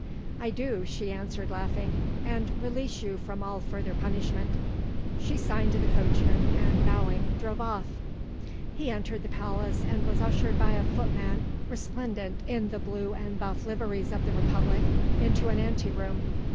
"I do," she answered laughing, "and release you from all further punishment." She signed to the coachman and bowing, drove off. He entered the palace and was ushered by a footman resplendent in the blue and buff liveries of the Republic, into an ante room.